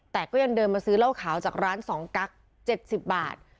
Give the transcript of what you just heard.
แต่ก็ยันเดินมาซื้อเล่าขาวจากร้านสองกักเจ็ดสิบบาท